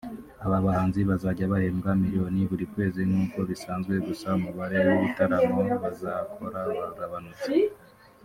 Aba bahanzi bazajya bahembwa miliyoni buri kwezi nk’uko bisanzwe gusa umubare w’ibitaramo bazakora wagabanutse